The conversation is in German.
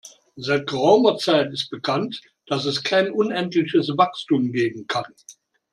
Seit geraumer Zeit ist bekannt, dass es kein unendliches Wachstum geben kann.